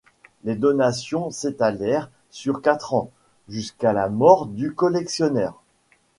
Les donations s’étalèrent sur quatre ans, jusqu’à la mort du collectionneur.